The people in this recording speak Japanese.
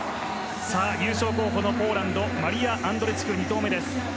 優勝候補のポーランドマリア・アンドレチク２投目。